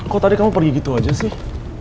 kok tadi kamu pergi gitu aja sih